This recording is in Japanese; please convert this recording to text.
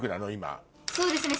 そうですね